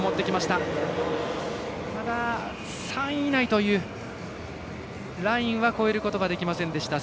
ただ３位以内というラインは越えることができませんでした。